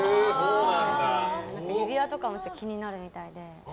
指輪とかも気になるみたいで。